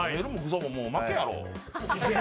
もう負けやろ。